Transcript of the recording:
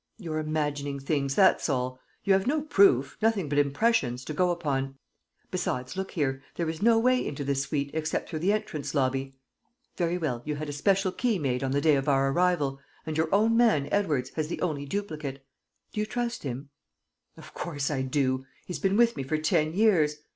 "You're imagining things, that's all. ... You have no proof, nothing but impressions, to go upon. ... Besides, look here: there is no way into this suite except through the entrance lobby. Very well. You had a special key made on the day of our arrival: and your own man, Edwards, has the only duplicate. Do you trust him?" "Of course I do! ... He's been with me for ten years!